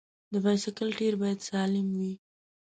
د بایسکل ټایر باید سالم وي.